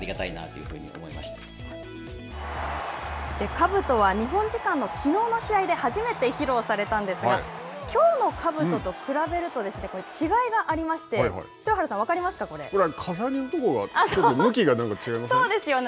かぶとは日本時間のきのうの試合で初めて披露されたんですがきょうのかぶとと比べるとこれ、違いがありましてこれは飾りのところがそうですよね。